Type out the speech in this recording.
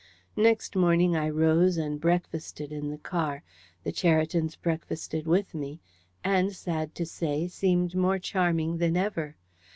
Next morning, I rose and breakfasted in the car. The Cheritons breakfasted with me, and, sad to say, seemed more charming than ever.